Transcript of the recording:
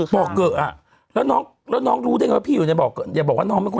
เป็นคดีที่คนพูดถึงกันเยอะมาก